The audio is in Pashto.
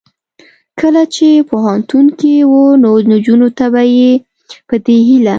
کله چې پوهنتون کې و نو نجونو ته به یې په دې هیله